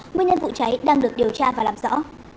nguyên nhân vụ cháy đang được điều tra và làm rõ